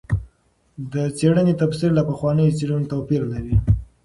د څېړنې تفسیر له پخوانیو څېړنو توپیر لري.